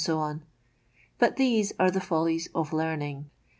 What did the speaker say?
'* But these are the follies of learning.